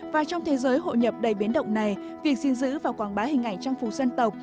và trong thế giới hội nhập đầy biến động này việc xin giữ và quảng bá hình ảnh trang phục dân tộc